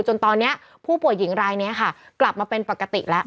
จนตอนนี้ผู้ป่วยหญิงรายนี้ค่ะกลับมาเป็นปกติแล้ว